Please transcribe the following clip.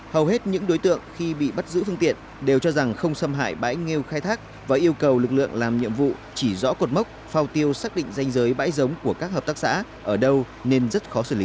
hầu hết những đối tượng khi bị bắt giữ phương tiện đều cho rằng không xâm hại bãi nghêu khai thác và yêu cầu lực lượng làm nhiệm vụ chỉ rõ cột mốc phao tiêu xác định danh giới bãi giống của các hợp tác xã ở đâu nên rất khó xử lý